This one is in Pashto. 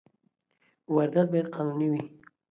واردات باید قانوني وي.